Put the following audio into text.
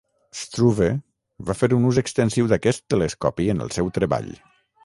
Struve va fer un ús extensiu d'aquest telescopi en el seu treball.